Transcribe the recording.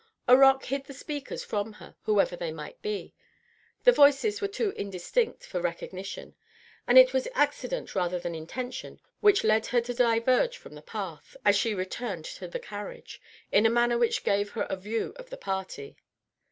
A rock hid the speakers from her, whoever they might be; the voices were too indistinct for recognition, and it was accident rather than intention which led her to diverge from the path, as she returned to the carriage, in a manner which gave her a view of the party.